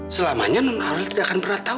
selamanya nun arul tidak akan berat tahu